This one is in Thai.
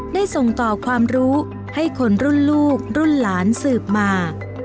ได้ส่งต่อความรู้ให้คนรุ่นลูกรุ่นหลานสืบมา